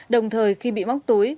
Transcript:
đồng thời khi bị móc túi